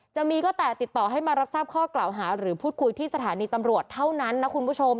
จะมีก็แต่ติดต่อให้มารับทราบข้อกล่าวหาหรือพูดคุยที่สถานีตำรวจเท่านั้นนะคุณผู้ชม